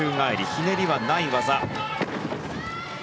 ひねりはない技。